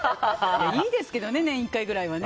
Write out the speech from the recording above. いいですけどね年１回くらいはね。